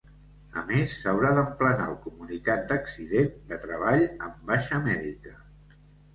A més, s'haurà d'emplenar el comunicat d'accident de treball amb baixa mèdica.